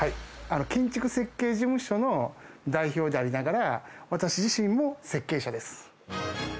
建築設計事務所の代表でありながら、私自身も設計者です。